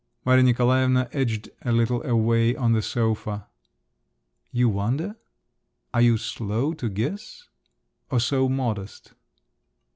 Maria Nikolaevna edged a little away on the sofa. "You wonder?… Are you slow to guess? Or so modest?"